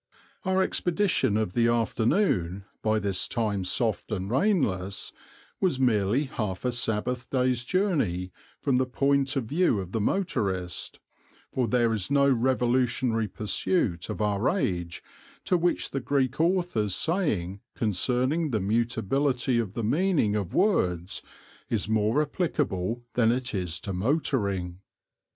Our expedition of the afternoon, by this time soft and rainless, was merely half a Sabbath day's journey, from the point of view of the motorist, for there is no revolutionary pursuit of our age to which the Greek author's saying concerning the mutability of the meaning of words is more applicable than it is to motoring.